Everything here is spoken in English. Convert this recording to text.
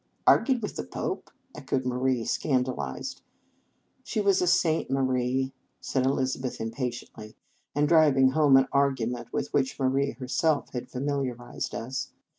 " Argued with the Pope !" echoed Marie, scandalized. " She was a saint, Marie," said Eliz abeth impatiently, and driving home an argument with which Marie her self had familiarized us.